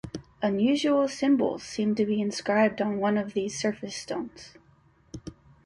Unusual symbols seemed to be inscribed on one of these surface stones.